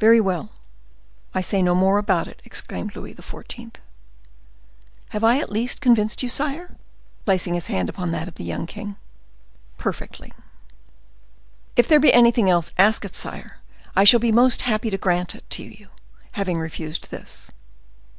"Very well, I say no more about it," exclaimed Louis XIV. "Have I at least convinced you, sire?" placing his hand upon that of the young king. "Perfectly." "If there be anything else, ask it, sire; I shall most happy to grant it to you, having refused this."